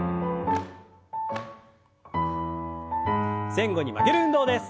前後に曲げる運動です。